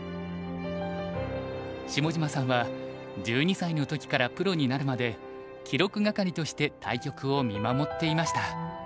下島さんは１２歳の時からプロになるまで記録係として対局を見守っていました。